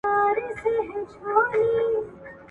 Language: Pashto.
ټول علوم په طبیعي او ټولنیزو برخو وېشل سوي دي.